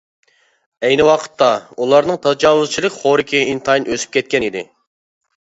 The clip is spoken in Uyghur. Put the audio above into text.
ئەينى ۋاقىتتا ئۇلارنىڭ تاجاۋۇزچىلىق خورىكى ئىنتايىن ئۆسۈپ كەتكەنىدى.